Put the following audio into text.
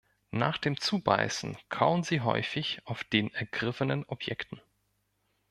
Nach dem Zubeißen kauen sie häufig auf den ergriffenen Objekten.